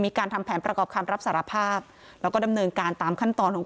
ทำแผนประกอบคำรับสารภาพแล้วก็ดำเนินการตามขั้นตอนของ